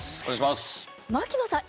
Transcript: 槙野さん